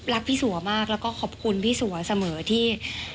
พี่สัวมากแล้วก็ขอบคุณพี่สัวเสมอที่